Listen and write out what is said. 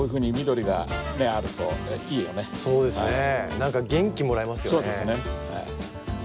なんか元気もらいますよね。